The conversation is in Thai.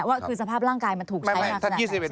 ว่าคือสภาพร่างกายมันถูกใช้